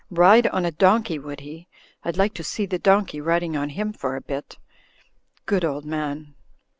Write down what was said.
Ride on a donkey would he ? I'd like to see the donkey riding on him for a bit. Good old man."